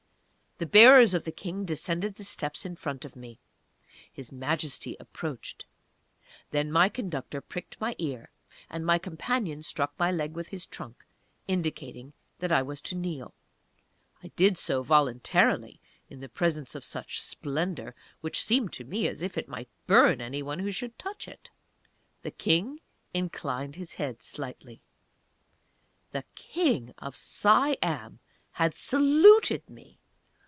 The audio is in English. The bearers of the King descended the steps in front of me. His Majesty approached. Then my conductor pricked my ear, and my companion struck my leg with his trunk, indicating that I was to kneel. I did so voluntarily, in the presence of such splendour, which seemed to me as if it might burn any one who should touch it! The King inclined his head slightly.... _THE KING OF SIAM HAD SALUTED ME!